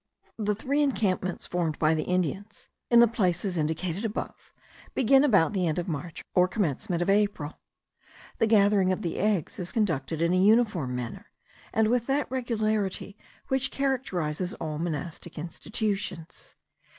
The three encampments formed by the Indians, in the places indicated above, begin about the end of March or commencement of April. The gathering of the eggs is conducted in a uniform manner, and with that regularity which characterises all monastic institutions.